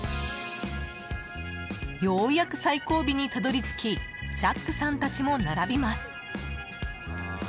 ようやく最後尾にたどり着きジャックさんたちも並びます。